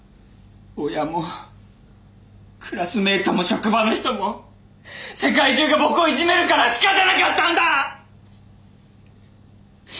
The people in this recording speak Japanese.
親もクラスメートも職場の人も世界中が僕をいじめるからしかたなかったんだ！